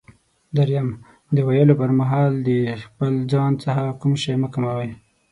دریم: د ویلو پر مهال د خپل ځان څخه کوم شی مه کموئ.